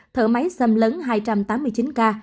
thở máy xâm lấn hai trăm tám mươi chín k